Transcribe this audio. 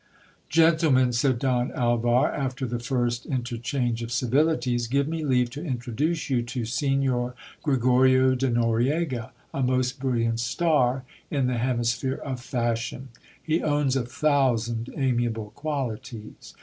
Gentlemen, said Don Alvar, after the first interchange of civilities, give me leave to introduce you to Signor Gre GIL BLAS. gorio de Noriega, a most brilliant star in the hemisphere of fashion. He owns a thousand amiable qualities.